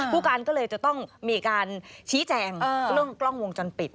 ผู้การก็เลยจะต้องมีการชี้แจงเรื่องกล้องวงจรปิด